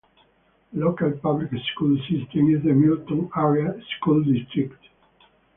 The local public school system is the Milton Area School District.